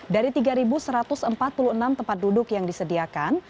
dari tiga satu ratus empat puluh enam tempat duduk yang disediakan